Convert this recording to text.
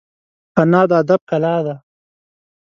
انا د ادب کلا ده